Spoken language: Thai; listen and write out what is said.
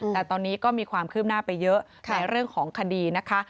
แต่ตอนนี้ก็มีความคืบหน้าไปเยอะในเรื่องของคดีนะคะ